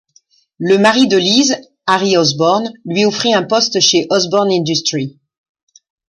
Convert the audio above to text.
Le mari de Liz, Harry Osborn, lui offrit un poste chez Osborn Industries.